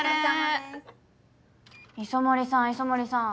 磯森さん磯森さん。